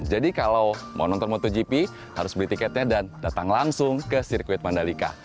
jadi kalau mau nonton motogp harus beli tiketnya dan datang langsung ke sirkuit mandalika